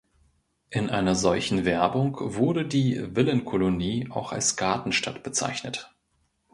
In einer solchen Werbung wurde die Villenkolonie auch als Gartenstadt bezeichnet.